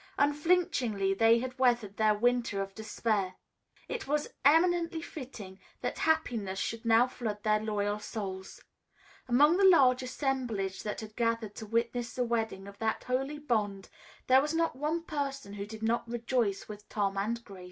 Unflinchingly they had weathered their winter of despair. It was eminently fitting that happiness should now flood their loyal souls. Among the large assemblage that had gathered to witness the welding of that holy bond, there was not one person who did not rejoice with Grace and Tom.